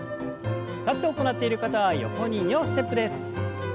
立って行っている方は横に２歩ステップです。